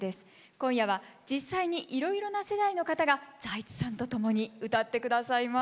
今夜は実際にいろいろな世代の方が財津さんとともに歌って下さいます。